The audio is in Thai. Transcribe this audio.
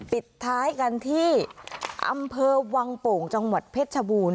ปิดท้ายกันที่อำเภอวังโป่งตเพชรบูรณ์